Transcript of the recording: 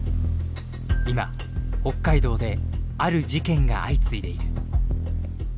今北海道である事件が相次いでいる。